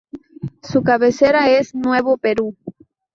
Su cabecera es Nuevo Perú.